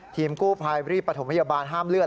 ทีมกู้ภัยรีบประถมพยาบาลห้ามเลือด